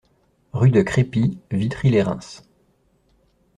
Rue de Crépy, Witry-lès-Reims